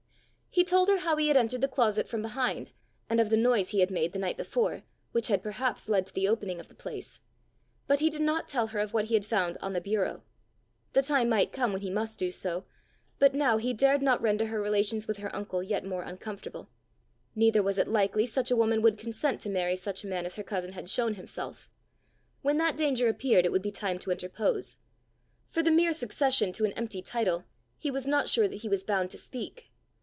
He told her how he had entered the closet from behind, and of the noise he had made the night before, which had perhaps led to the opening of the place; but he did not tell her of what he had found on the bureau. The time might come when he must do so, but now he dared not render her relations with her uncle yet more uncomfortable; neither was it likely such a woman would consent to marry such a man as her cousin had shown himself; when that danger appeared, it would be time to interpose; for the mere succession to an empty title, he was not sure that he was bound to speak.